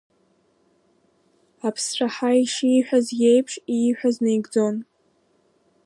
Аԥсцәаҳа ишиҳәаз еиԥш ииҳәаз наигӡон.